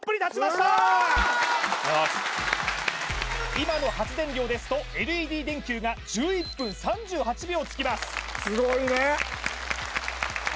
今の発電量ですとＬＥＤ電球が１１分３８秒つきます